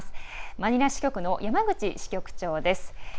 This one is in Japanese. マニラ支局の山口支局長です。